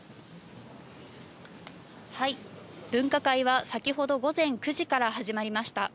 分科会は先ほど午前９時から始まりました。